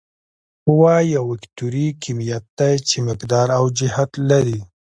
قوه یو وکتوري کمیت دی چې مقدار او جهت لري.